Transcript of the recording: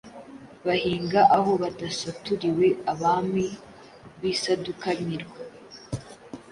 Bahinga aho badasaturiwe Abami b’i Saduka-mirwa